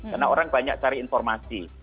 karena orang banyak cari informasi